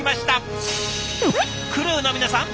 クルーの皆さん